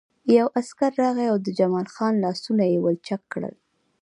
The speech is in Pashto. یو عسکر راغی او د جمال خان لاسونه یې ولچک کړل